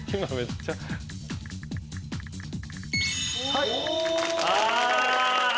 はい。